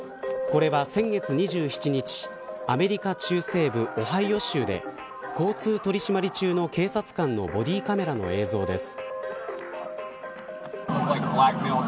これは、先月２７日アメリカ中西部オハイオ州で交通取締中の警察官のボディーカメラの映像です。